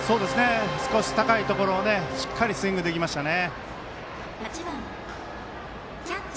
少し高いところをしっかりスイングできましたね。